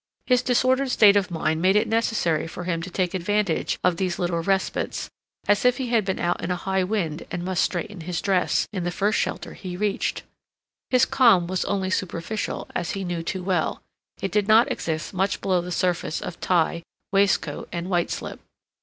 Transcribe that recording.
His disordered state of mind made it necessary for him to take advantage of these little respites, as if he had been out in a high wind and must straighten his dress in the first shelter he reached. His calm was only superficial, as he knew too well; it did not exist much below the surface of tie, waistcoat, and white slip.